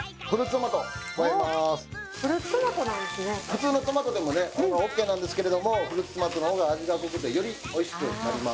普通のトマトでもねあのオッケーなんですけれどもフルーツトマトの方が味が濃くてよりおいしくなります。